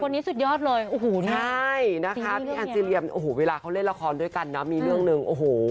สุดยอดเลยโอ้โหใช่นะคะพี่แอนซีเรียมโอ้โหเวลาเขาเล่นละครด้วยกันนะมีเรื่องหนึ่งโอ้โห